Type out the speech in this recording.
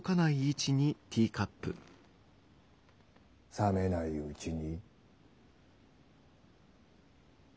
冷めないうちに。